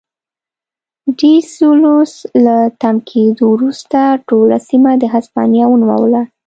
ډي سلوس له تم کېدو وروسته ټوله سیمه د هسپانیا ونوموله.